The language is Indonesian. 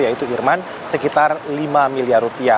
yaitu irman sekitar rp lima miliar rupiah